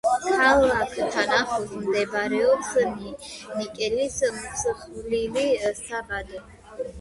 ქალაქთან ახლოს მდებარეობს ნიკელის მსხვილი საბადო.